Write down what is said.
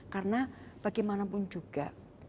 karena bagaimanapun juga